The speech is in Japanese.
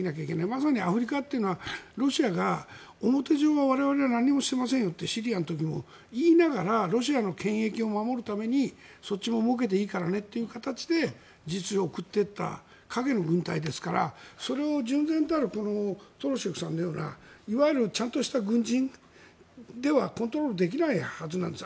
まさにアフリカというのはロシアが表向きは我々は何もしていませんよってシリアの時も言いながらロシアの権益を守るためにそっちももうけていいからねという形で事実上送っていった影の軍隊ですから、それを純然たるトロシェフさんのようないわゆるちゃんとした軍人ではコントロールできないはずなんです。